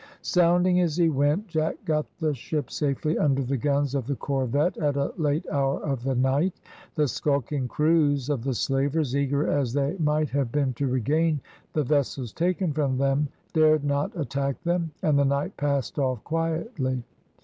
Sounding as he went, Jack got the ship safely under the guns of the corvette at a late hour of the night. The skulking crews of the slavers, eager as they might have been to regain the vessels taken from them, dared not attack them, and the night passed off quietly.